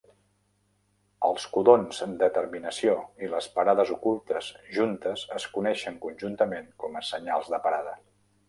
Els codons de terminació i les parades ocultes juntes es coneixen conjuntament com a senyals de parada.